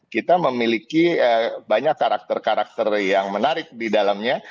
kita memiliki banyak karakter karakter yang menarik di dalamnya